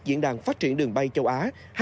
diễn đàn phát triển đường bay châu á